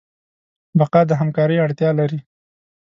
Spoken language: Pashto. بقا د همکارۍ اړتیا لري.